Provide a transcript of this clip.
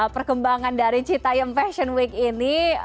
perkembangan dari cita yum fashion week ini